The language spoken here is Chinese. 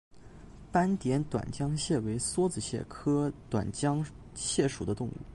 斑点短浆蟹为梭子蟹科短浆蟹属的动物。